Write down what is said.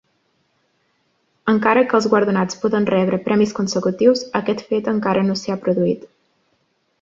Encara que els guardonats poden rebre premis consecutius, aquest fet encara no s'hi ha produït.